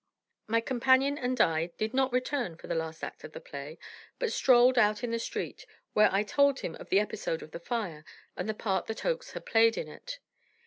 My companion and I did not return for the last act of the play, but strolled out in the street, where I told him of the episode of the fire and the part that Oakes had played in it.